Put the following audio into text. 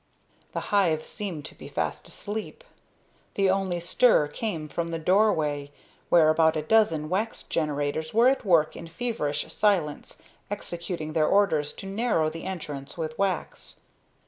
The hive seemed to be fast asleep. The only stir came from the doorway where about a dozen wax generators were at work in feverish silence executing their orders to narrow the entrance with wax.